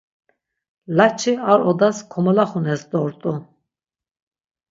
Laç̌i ar odas komolaxunes dort̆u.